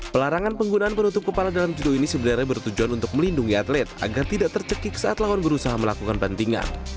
pelarangan penggunaan penutup kepala dalam judo ini sebenarnya bertujuan untuk melindungi atlet agar tidak tercekik saat lawan berusaha melakukan bantingan